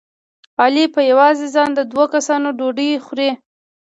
علي په یوازې ځان د دوه کسانو ډوډۍ خوري.